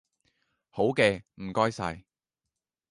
好嘅，唔該晒